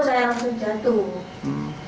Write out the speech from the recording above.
saya langsung jatuh